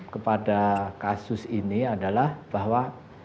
kepada kasus ini adalah bahwa